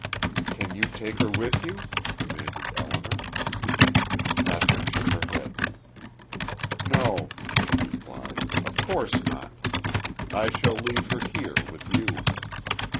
"Can you take her with you?" demanded Elinor. Kathryn shook her head. "No," she replied. "Of course not. I shall leave her here, with you."